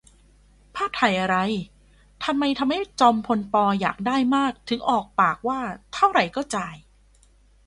ภาพถ่ายอะไร ? ทำไมทำให้จอมพล ป. อยากได้มากถึงออกปากว่า เท่าไหร่ก็จ่าย